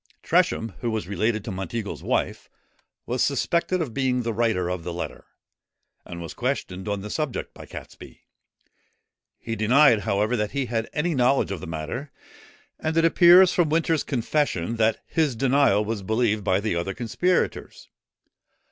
Tresham, who was related to Monteagle's wife, was suspected of being the writer of the letter, and was questioned on the subject by Catesby. He denied, however, that he had any knowledge of the matter; and it appears from Winter's confession that his denial was believed by the other conspirators.